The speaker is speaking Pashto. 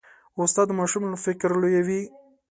استاد د ماشوم فکر لویوي.